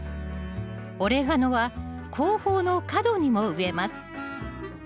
オレガノは後方の角にも植えます